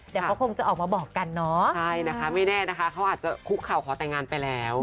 เดี๋ยวเขาคงจะออกมาบอกกันเนาะใช่นะคะไม่แน่นะคะเขาอาจจะคุกเข่าขอแต่งงานไปแล้ว